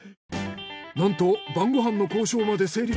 なんと晩ご飯の交渉まで成立。